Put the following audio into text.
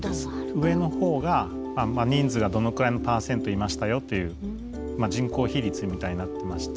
上の方が人数がどのくらいのパーセントいましたよっていう人口比率みたいになってまして。